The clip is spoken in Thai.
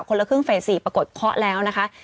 คนละครึ่งเฟส๔ปรากฏเคาะแล้วนะคะ